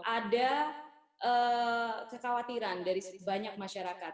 ada kekhawatiran dari banyak masyarakat